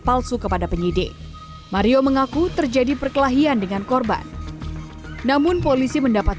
palsu kepada penyidik mario mengaku terjadi perkelahian dengan korban namun polisi mendapat